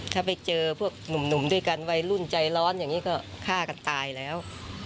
ถ้าไปเจอพวกหนุ่มด้วยกันวัยรุ่นใจร้อนอย่างนี้ก็ฆ่ากันตายแล้ว